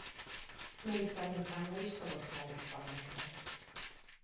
Négy tanítványa is korosztályos bajnok lett.